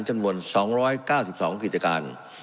จำนวน๒๙๒กิจการ